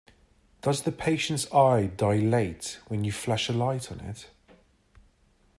Does the patients eye dilate when you flash a light on it?